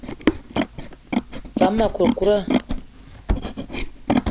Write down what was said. Ve ma kourkoura.